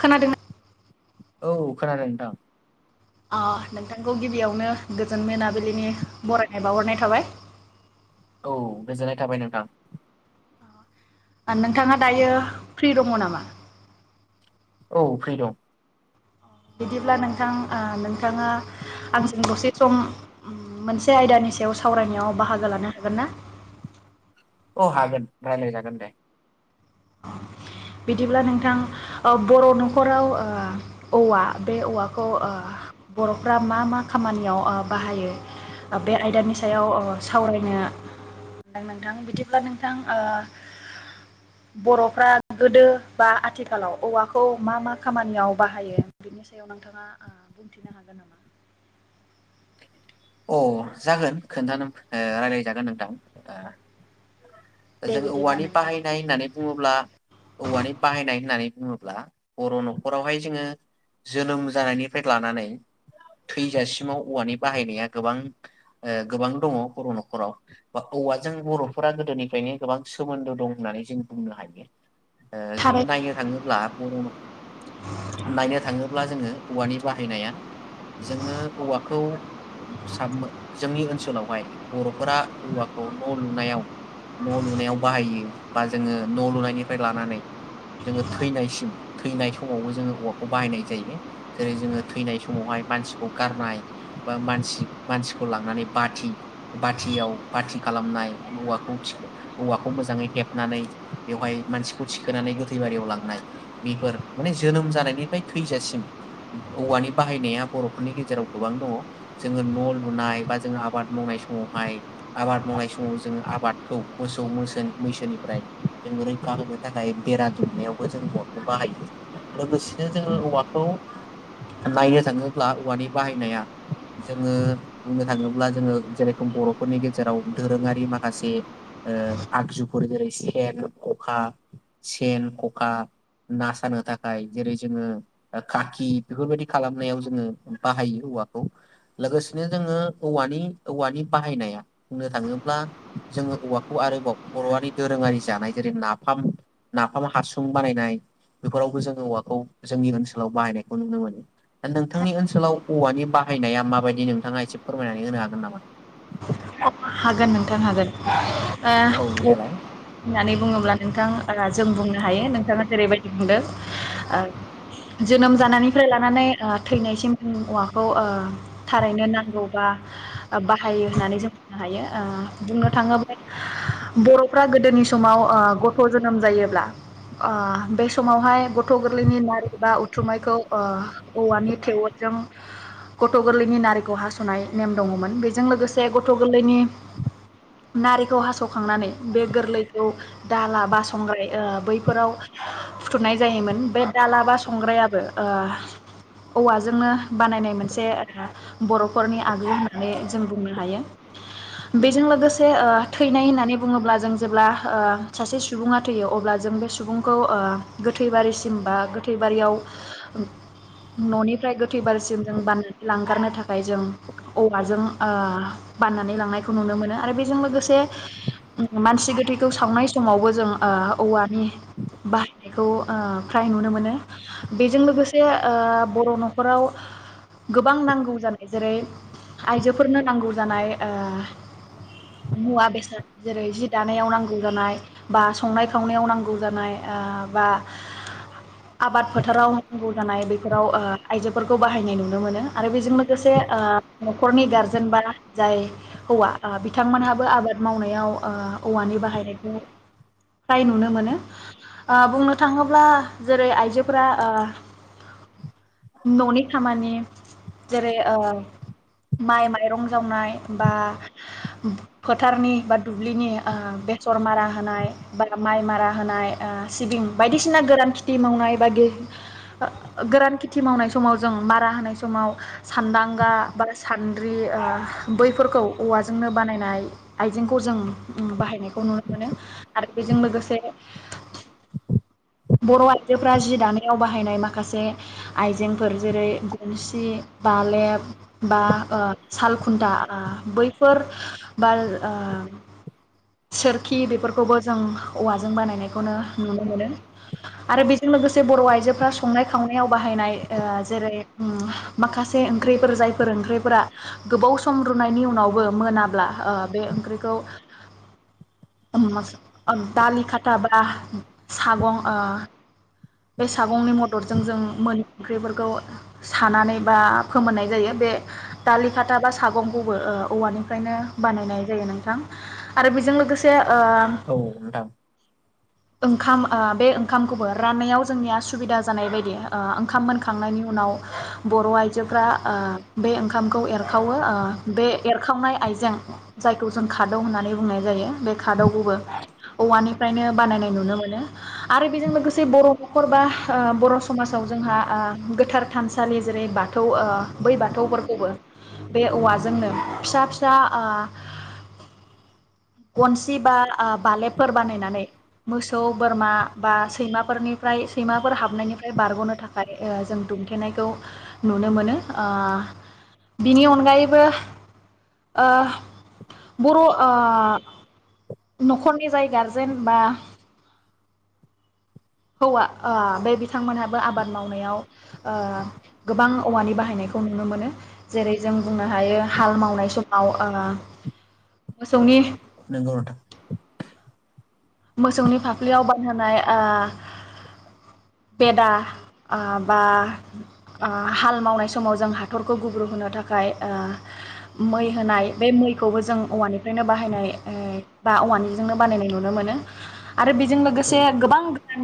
खोनादोंना औ खानादों थां ओ नोंथांखौ गिबियावनो गोजोन मोनाबिलिनि बरायनाय बावहरनाय थाबाय औ गोजोननाय थाबाय नोंथां ओ नोंथाङा दायो फ्रि दङ नामा औ फ्रि दं बिदिब्ला नोंथां ओ नोंथाङा आंजों दसे सम मोनसे आयदानि सायाव सावरायनायाव बाहागो लानो हागोन ना? औ हागोन रायलाय जागोन दे बिदिब्ला नोंथां ओ बर' न'खराव ओ औवा बे औवाखौ ओ बर'फ्रा मा मा खामानियाव ओ बाहायो बे आयदानि सायाव ओ सावरायनो नोंथां बिदिब्ला नोंथां ओ बर'फ्रा गोदो बा आथिखालाव औवाखौ मा मा खामानियाव बाहायो बिनि सायाव नोंथाङा बुंथिनो हागोन नामा? अ जागोन खोन्थानो रायज्लायजागोन नोंथां दे जों बिदिब्ला औवानि नोंथां बाहायनाय होननानै बुङोब्ला औवानि बाहायनाय होननानै बुङोब्ला बर' न'खरावहाय जोङो जोनोम जानायनिफ्राय लानानै थैजासिमाव औवानि बाहायनाया गोबां ओ गोबां दङ बर' न'खराव बा औवाजों बर'फोरा गोदोनिफ्रायनो गोबां सोमोन्दो दं होननानै जों बुंनो हायो। ओ जोङो थारै नायनो थाङोब्ला बर' नायनो थाङोब्ला जोङो औवानि बाहायनाया जोङो औवा खौ साबमो जोंनि ओन सोलावहाय बर'फोरा औवाखौ न' लुनायाव न' लुनायाव बाहायो बा जोङो न' लुनायनिफ्राय लानानै जोङो थैनायसिम थैनाय समावबो जोङो औवाखौ बाहायनाय जायो जेरै जोङो थैनाय समावहाय मानसिखौ गारनाय बा मानसि मानसिखौ लांनानै बाथि बाथियाव बाथि खालामनाय औवाखौ औवाखौ मोजाङै हेबनानै बेवहाय मानसिखौ थिखोनानै गोथै बारियाव लांनाय बेफोर माने जोनोम जानायनिफ्राय थैजासिम औवानि बाहायनाया बर'फोरनि गेजेराव गोबां दङ जोङो न' लुनाय बा जोङो आबाद मावनाय समावहाय आबाद मावनाय समाव जोङो आबादखौ मोसौ मैसोनिफ्राय जोंङो रैखा होनो थाखाय बेरा दुमनायावबो जों औवाखौ बाहायो लोगोसेनो जोङो औवाखौ नायनो थाङोब्ला औवानि बाहायनाया जोङो बुंनो थाङोब्ला जोङो जेरेखम बर'फोरनि गेजेराव दोरोङारि माखासे ओ आगजुफोर जेरै सेन खखा सेन खखा ना सानो थाखाय जेरै जोङो काखि बेफोरबायदि खालामनायाव जोङो बाहायो औवाखौ लोगोसेनो जोङो औवानि औवानि बाहायनाया बुंनो थाङोब्ला जोङो औवाखौ आरोबाव बर'आरि दोरोङारि जानाय जेरै नाफाम नाफाम हासुं बानायनाय बेफोरावबो जोङो औवाखौ जोंनि ओनसोलाव बाहायनायखौ नुनो मोनो नोंथांनि ओन औवानि बाहायनाया माबायदि नोंथाङा एसे फोरमायनानै होनो हागोन नामा? हागोन नोंथां हागोन ओ औ होननानै बुङोब्ला नोंथां ओ जों बुंनो हायो नोंथाङा जेरैबायदि दों जोनोम जानायनिफ्राय लानानै ओ थैनायसिम जों औवाखौ ओ थारैनो नांगौ बा बा हायो होननानै जों बुंनो हायो ओ बुंनो थाङोब्ला बर'फ्रा गोदोनि समाव गथ' जोनोम जायोब्ला बे ओ समावहाय गथ' गोरलैनि नारि बा उथुमायखौ ओ औवानि थेवोदजों गथ' गोरलैनि नारिखौ हास'नाय नेम दङमोन बे जों लोगोसे गथ' गोरलैनि नारिखौ हास'खांनानै बे गोरलैखौ दाला बा संग्राय बैफोराव फुथुमनाय जायोमोन। बे दाला बा संग्रायाबो औवाजोंनो बानायनाय मोनसे बर'फोरनि आगोल माने हायो बेजों लोगोसे ओ थैनाय होननानै बुङोब्ला जों जेब्ला ओ सासे सुबुङा थैयो अब्ला जों बे सुबुंखौ ओ गोथै बारिसिम बा गोथै बारियाव न'निफ्राय गोथै बारिसिम जों बान-लांगारनो थाखाय जों औवाजों ओ बाननानै लांनायखौ नुनो मोनो आरो बेजों लोगोसे मानसि गोथैखौ सावनाय समावबो जों ओ औवानि बाहायनायखौ ओ फ्राय नुनो मोनो। बेजों लोगोसे ओ बर' न'खराव गोबां नांगौ जानाय जेरै आइजो फोरनो नांगौ जानाय ओ मुवा बेसाद जेरै जि दानायाव नांगौ जानाय बा संनाय खावनायाव नांगौ जानाय। ओ बा आबाद फोथाराव नांगौ जानाय बेफोराव ओ आइजोफोरखौ बाहायनाय नुनो मोनो आरो बेजों लोगोसे नखरनि गार जेनबा जाय हौवा ओ बिथांमोनहाबो आबाद मावनायाव ओ औवानि बाहायनायखौ फ्राय नुनो मोनो। ओ बुंनो थाङोब्ला जेरै आइजोफोरा ओ न'नि खामानि जेरै ओ माइ माइरं जावनाय बा फोथारनि बा दुब्लिनि ओ बेसर मारा होनाय बा माइ मारा होनाय, ओ सिबिं बायदिसिना गोरान खिथि मावनाय बा गोरान खेथि मावनाय समाव जों मारा होनाय समाव सानदांगा बा सान द्रि ओ औवाजोंनो बानायनाय आइजेंखौ जों बाहायनायखौ नुनो मोनो आरो बेजों लोगोसे बर' आइजोफोरा जि दानायाव बाहायनाय माखासे आइजेंफोर जेरै गनसि, बालेब, बा साल खुन्था, ओ बैफोर बा ओ सोरखि बेफोरखौबो जों औवा जों बानायनायखौनो नुनो मोनो। आरो बेजों लोगोसे बर' आइजोफोरा संनाय खावनायाव बाहायनाय ओ जेरै उम माखासे ओंख्रिफोर जायफोर ओंख्रिफोरा गोबाव सम रुनायनि उनावबो मोनाब्ला ओ बे ओंख्रिखौ दालि खाथा बा सागं ओ बे सागंनि मददजों जों मोनि ओंख्रिफोरखौ सानानै बा फोमोननाय जायो बे दालि खाथा बा सागंखौबो ओ औवानिफ्रायनो बानायनाय जायो नोंथां। आरो बेजों लोगो से ओ औ नोंथां ओंखाम ओ बे ओंखामखौबो राननायाव जोंनिया सुबिदा जानाय बायदि ओ ओंखाम मोनखांनायनि उनाव बर' आइजोफ्रा ओ बे ओंखामखौ एरखावो ओ बे एरखावनाय आइजें जायखौ जों खादौ होननानै बुंनाय जायो बे खादौखौबो औवानिफ्रायनो बानायनाय नुनो मोनो। आरो बेजों लोगोसे बर' न'खर बा ओ बर' समाजाव जोंहा ओ गोथार थानसालि जेरै बाथौ ओ बै बाथौफोरखौबो बे औवाजोंनो फिसा फिसा ओ गनसि बा बालेबफोर बानायनानै मोसौ बोरमा बा सैमाफोरनिफ्राय सैमाफोर हाबनायनिफ्राय बारग'नो थाखाय ओ जों दुमथेनायखौ नुनो मोनो। ओ बिनि अनगायैबो ओ बर' ओ न'खरनि जाय गारजेन बा हौवा ओ बे बिथांमोनहाबो आबाद मावनायाव ओ गोबां औवानि बाहायनायखौ नुनो मोनो। जेरै जों बुंनो हायो हाल मावनाय समाव ओ मोसौनि नोंगौ नोंथां। मोसौनि फाफ्लियाव बानहोनाय ओ बेदा ओ बा ओ हाल मावनाय समाव जों हाथरखौ गुब्रु होनो थाखाय ओ मै होनाय बे मैखौबो जों औवानिफ्रायनो बाहायनाय बा औवानिजोंनो बानायनाय नुनो मोनो। आरो बेजों औ लोगोसे गोबां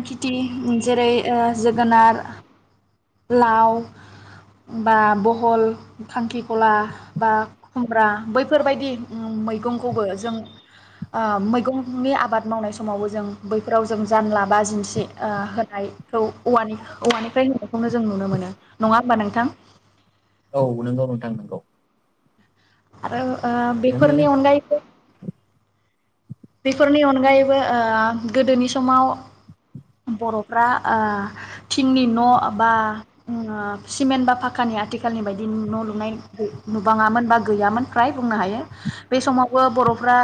खेथि जेरै ओ जोगोनार, लाव बा बहल खांखिखला बा खुमब्रा बैफोरबायदि मैगंखौबो जों ओ मैगंनि आबाद मावनाय समावबो जों बैफोराव जों जानला बा जिन्सि होनायखौ औवानि औवानिफ्राय होनायखौनो जों नुनो मोनो नङा होमबा नोंथां? औ नोंगौ नोंथां नोंगौ। आरो ओ बेफोरनि अनगायैबो बेफोरनि अनगायैबो ओ गोदोनि समाव बर'फ्रा ओ थिंनि न' बा उम सिमेन्ट बा फाखानि आथिखालनि बायदि न' लुनाय नुबाङामोन बा गैयामोन फ्राय बुंनो हायो बे समावबो बरफ्रा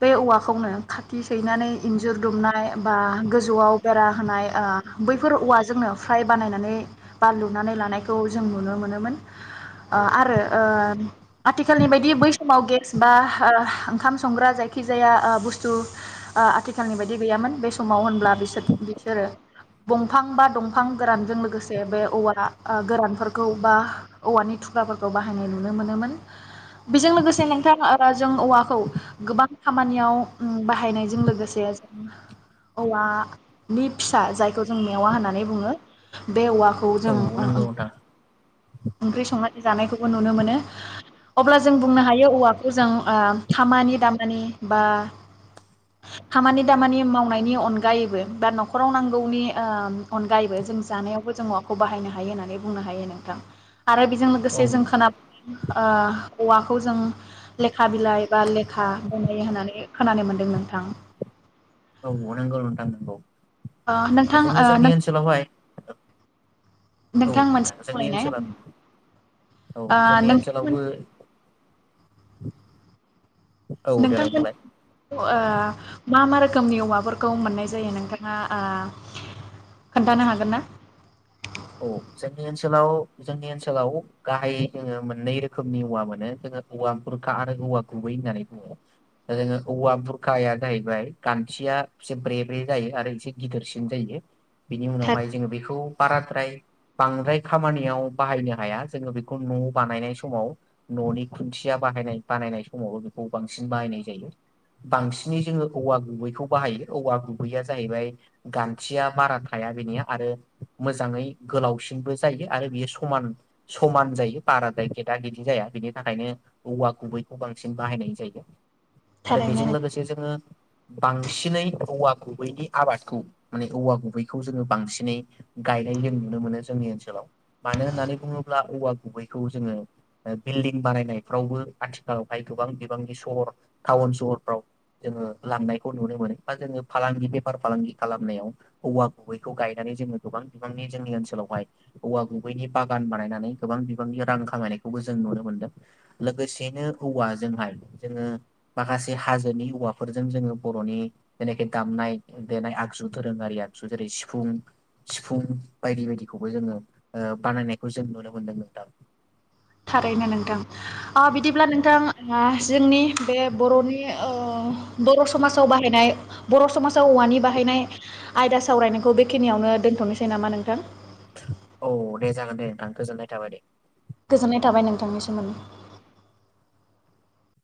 बे औवा खौनो खाथि सैनानै इन्जुर दुमनाय, बा गोजौआव बेरा होनाय, ओ बैफोर औवाजोंनो फ्राइ बानायनानै बा लुनानै लानायखौ जों नुनो मोनोमोन। ओ आरो ओ आथिखालनि बायदि बै समाव गेस बा ओंखाम संग्रा जायखिजाया ओ बुस्थु ओ आथिखालनि बायदि गैयामोन बे समाव होनब्ला बिसोर बिसोरो दंफां बा दंफां गोरानजों लोगोसे बे औवा गोरानफोरखौ बा औवानि थुग्राफोरखौ बाहायनाय नुनो मोनोमोन‌। बेजों लोगोसे नोंथाङा जों औवाखौ गोबां खामानियाव उम बाहायनायजों लोगोसे जों औवानि फिसा जायखौ जों मेवा होननानै बुङो बे औवा खौ औ जों नंगौ नोंथां ओंख्रि संनाय जानायखौबो नुनो मोनो अब्ला जों बुंनो हायो औवाखौ जों ओ खामानि दामानि बा खामानि दामानि मावनायनि अनगायैबो बा नखराव नांगौनि ओ अनगायैबो जों जानायावबो जों माखौ बाहायनो हायो होननानै बुंनो हायो नोंथां। आरो बेजों लोगोसे औ जों खोना ओ औवाखौ जों लेखा बिलाइ बा लेखा बनायो होननानै खोनानो मोन्दों नोंथां। औ नोंगौ नोंथां नंगौ। ओ नोंथां ओ नों बुजियाखै औ नोंथां जोंनि खावलायनाय ओनसो औ ओ जोंनि नोंथांमोन ओनसोलावबो औ देलाय बुंलाय नोंथांमोनियाव ओ मा मा रोखो रोखोमनि औवाफोरखौ मोननाय जायो नोंथाङा खोनथानो हागोन ना। औ जोंनि ओनसोलाव जोंनि ओनसोलाव गाहाय जोङो मोननै रोखोमनि औवा मोनो जोङो औवा बुरखा आरो औवा गुबै होननानै बुङो दा जोङो औवा बुरखाया जाहैबाय गान्थिया एसे ब्रे ब्रे जायो आरो एसे गिदिरसिन जायो। बिनि थार उनावहाय जोङो बेखौ बारा। बांद्राय खामानियाव बाहायनो हाया जोङो बेखौ न' बानायनाय समाव न'नि खुन्थिया बानायनाय बानायनाय समावबो बेखौ बांसिन बाहायनाय जायो बांसिनै जोंओ औवा गुबैखौ बाहायो औवा गुबैया जाहैबाय गान्थिया बारा थाया बेनिया आरो। मोजाङै गोलावसिनबो जायो आरो बेयो समान समान जायो बाराद्राय गेदा गेदि जाया बेनि थाखायनो औवा गुबैखौ बांसिन बाहायनाय जायो। आरो थारैनो बेजों नों लोगोसे जोंङो। बांसिनै औवा गुबैनि आबादखौ माने औवा गुबैखौ जोङो बांसिनै। गायनाय जों नुनो मोनो जोंनि ओनसोलाव मानो होननानै बुङोब्ला औवा गुबैखौ जोङो बिल्डिं बानायनायफ्रावबो आथिखालावहाय गोबां बिबांनि सहर टाउन सहरफ्राव जोङो लांनायखौ नुनो मोनो बा जोङो फालांगि बेफार फालांगि खालामनायाव औवा गुबैखौ गायनानै जोङो। गोबां बिबांनि जोंनि ओनसोलावहाय औवा गुबैनि बागान बानायनानै गोबां बिबांनि रां खामायनायखौबो जों नुनो मोनदों लोगोसेनो औवाजोंहाय जोङो माखासे हाजोनि औवाफोरजों जोङो बर'नि जेनाखि दामनाय देनाय आगजु दोरोङारि आगजु जेरै सिफुं। सिफुं बायदि बायदिखौबो जोङो बानायनायखौ जों नुनो मोनदों नोंथां। थारैनो नोंथां। अ बिदिब्ला नोंथां। जोंनि बे बर'नि बर' समाजाव बाहायनाय बर' समाजाव औवानि बाहायनाय आयदा सावरायनायखौ बेखिनियावनो दोनथ'नोसै नामा नोंथां। औ दे जागोन दे नोंथां गोजोननाय थाबाय दे। गोजोननाय थाबाय नोंथांनि सोमोन्दै।